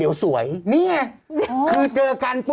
พี่ขับรถไปเจอแบบ